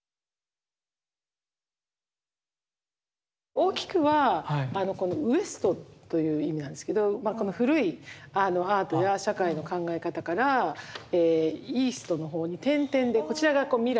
大きくはこの「Ｗｅｓｔ」という意味なんですけどこの古いアートや社会の考え方から「Ｏｓｔ」の方に点々でこちらがこう未来になって。